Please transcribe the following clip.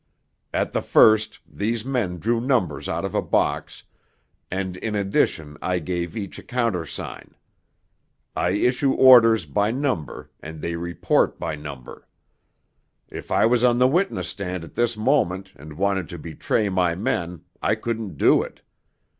"At the first, these men drew numbers out of a box, and in addition I gave each a countersign. I issue orders by number, and they report by number. If I was on the witness stand at this moment and wanted to betray my men I couldn't do it.